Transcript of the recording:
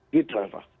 gitu lah pak